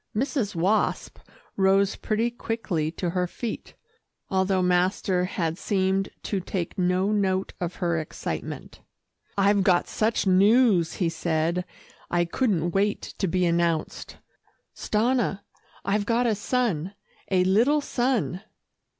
Mrs. Wasp rose pretty quickly to her feet, although master had seemed to take no note of her excitement. "I've got such news," he said, "I couldn't wait to be announced. Stanna, I've got a son a little son."